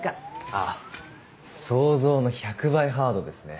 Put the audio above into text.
あぁ想像の１００倍ハードですね。